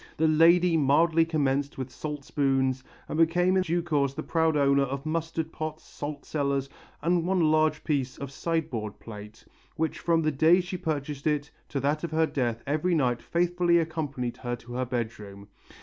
The lady mildly commenced with salt spoons, and became in due course the proud owner of mustard pots, salt cellars, and one large piece of sideboard plate, which from the day she purchased it to that of her death every night faithfully accompanied her to her bedroom.